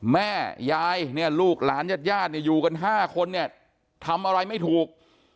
แม่ยายลูกหลานญาติอยู่กัน๕คนทำอะไรไม่ถูก